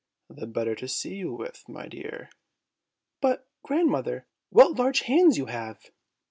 "The better to see you with, my dear." "But, grandmother, what large hands you have!"